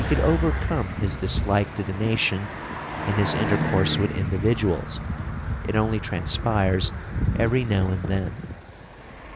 } (342) could overcome his dislike to the nation in his intercourse with individuals: it only transpires every now and then.